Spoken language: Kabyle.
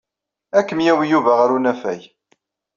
Ad kem-yawi Yuba ɣer unafag.